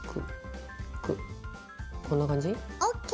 こんな感じ？ＯＫ！